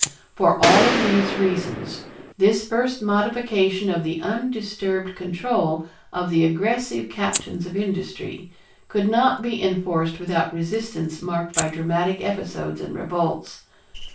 For all of these reasons this first modification of the undisturbed control of the aggressive captains of industry could not be enforced without resistance marked by dramatic episodes and revolts.